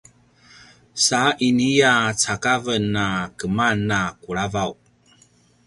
sa inia cakaven a keman na kulavaw